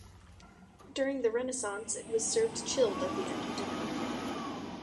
During the Renaissance, it was served chilled at the end of dinner.